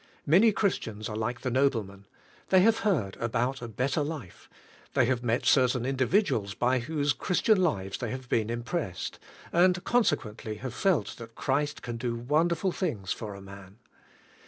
Man}^ Chris tians are like the nobleman. They have heard about a better life. They have met certain indi viduals by whose Christian lives they have been impressed, and consequently have felt that Christ can do wonderful things for a man.